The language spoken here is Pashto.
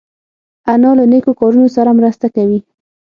انا له نیکو کارونو سره مرسته کوي